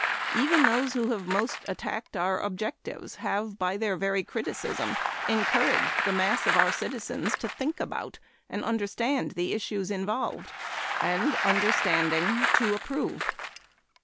Even those who have most attacked our objectives have, by their very criticism, encouraged the mass of our citizens to think about and understand the issues involved, and, understanding, to approve.